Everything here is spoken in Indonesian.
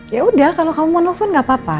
ya udah kalau kamu mau nelfon gak apa apa